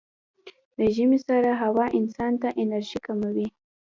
د ژمي سړه هوا انسان ته انرژي کموي.